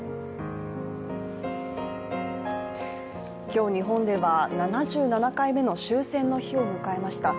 今日、日本では７７回目の終戦の日を迎えました。